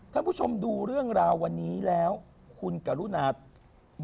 ถ้าผู้ชมดูเรื่องราววันนี้แล้วคุณกับรูนาห์